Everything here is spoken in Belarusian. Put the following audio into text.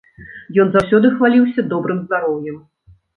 Ён заўсёды хваліўся добрым здароўем.